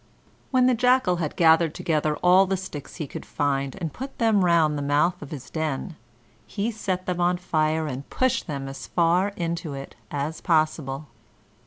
When the Jackal had gathered together all the sticks he could find and put them round the mouth of his den, he set them on fire and pushed them as far into it as possible.